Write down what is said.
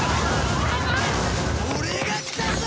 俺が来たぜ！